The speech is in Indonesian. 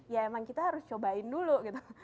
ya emang kita harus cobain dulu gitu